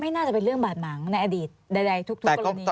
น่าจะเป็นเรื่องบาดหมางในอดีตใดทุกกรณี